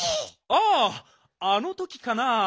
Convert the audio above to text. あああのときかな？